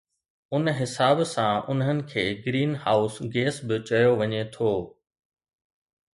ان حساب سان انهن کي گرين هائوس گيس به چيو وڃي ٿو